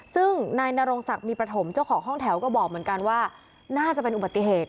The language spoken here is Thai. ซึ่งนายนรงศักดิ์มีประถมเจ้าของห้องแถวก็บอกเหมือนกันว่าน่าจะเป็นอุบัติเหตุ